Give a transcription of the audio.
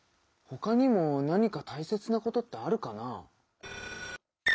ほかにも何か大切なことってあるかな？